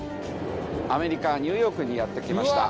アメリカニューヨークにやって来ました。